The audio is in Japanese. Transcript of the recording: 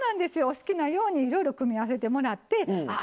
お好きなようにいろいろ組み合わせてもらってああ